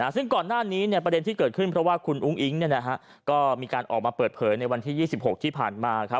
ซึ่งก่อนหน้านี้ประเด็นที่เกิดขึ้นเพราะว่าคุณอุ้งอิ๊งก็มีการออกมาเปิดเผยในวันที่๒๖ที่ผ่านมา